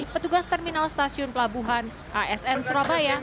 petugas terminal stasiun pelabuhan asn surabaya